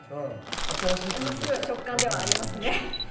面白い食感ではありますよね。